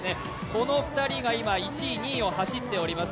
この２人が今、１位、２位を走っております。